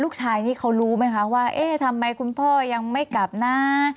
ลูกชายนี่เขารู้ไหมคะว่าเอ๊ะทำไมคุณพ่อยังไม่กลับนะ